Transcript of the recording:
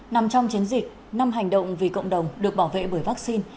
nằm trong chiến dịch năm hành động vì cộng đồng được bảo vệ bởi vaccine